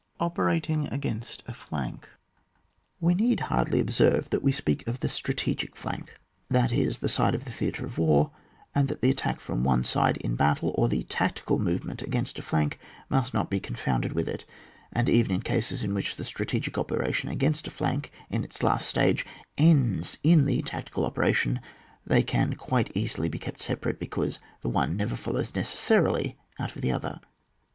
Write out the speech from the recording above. OPERATING AGAINST A FLANK. We need hardly observe that we speak of the strategic flank, that is, a side of the theatre of war, and that the attack from one side in battle, or the tactical movement against a flank, must not be confounded with it ; and even in cases in which the strategic operation against a flank, in its last stage, ends in the tacti cal operation, they can quite easily be kept separate, because the one never fol lows necessarily out of the other.